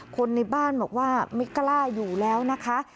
คนในบ้านบอกว่าไม่กล้าอยู่แล้วนะคะ